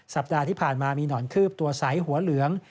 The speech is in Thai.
สัปดาห์ที่ผ่านมามีหนอนคืบตัวใสหัวเหลือง